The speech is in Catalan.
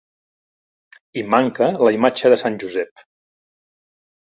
Hi manca la imatge de Sant Josep.